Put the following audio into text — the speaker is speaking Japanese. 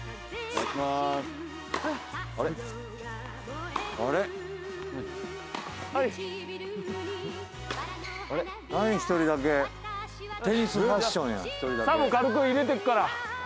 サーブ軽く入れてくから。